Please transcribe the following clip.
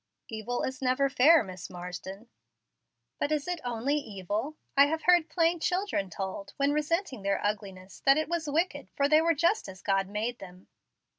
"Evil is never fair, Miss Marsden." "But is it only evil? I have heard plain children told, when resenting their ugliness, that it was wicked, for they were just as God made them."